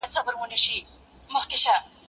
زه کولای سم انځورونه رسم کړم،